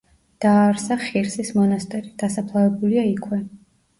დააარსა ხირსის მონასტერი, დასაფლავებულია იქვე.